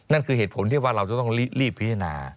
นั่นคือเหตุผลที่ว่าเราจะต้องรีบพิจารณา